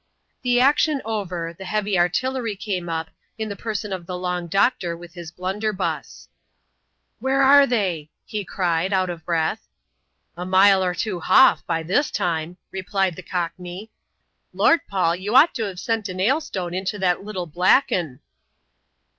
The action over, the heavy artillery eame up, in the person of the Long Doctor, with his blunderbuss. " Where are they ?" he cried, out of breath. ^'Amile or two h'off, by this time, replied the Codmej. " Lord, Paul I you ought toVe sent an 'ail stone into that little black 'un."